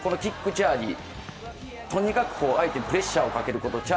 とにかく相手にプレッシャーをかけること。